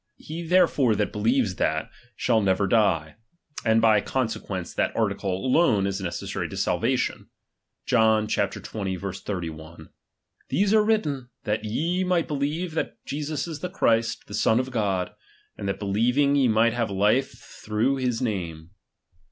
He therefore that believes that, shall never die ; and by conse quence, that article alone is necessary to salvation. John XX. 3 1 : These are written, that ye rnight be lieve that Jesus is the Christ, the Son o/' God ; and that believing, ye viight have life thj'ongh his nnme.